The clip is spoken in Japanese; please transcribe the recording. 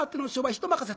人任せ。